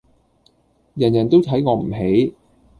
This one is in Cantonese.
人人都睇我唔起